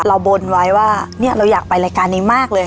บนไว้ว่าเนี่ยเราอยากไปรายการนี้มากเลย